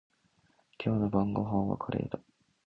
今日の晩ごはんはカレーだ。